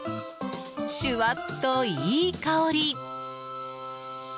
シュワッといい香り。